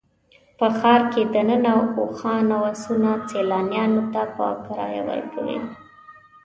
په ښار کې دننه اوښان او اسونه سیلانیانو ته په کرایه ورکوي.